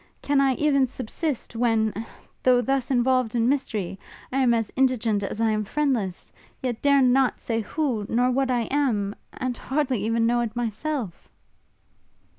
Can I even subsist, when, though thus involved in mystery, I am as indigent as I am friendless, yet dare not say who, nor what I am, and hardly even know it myself!'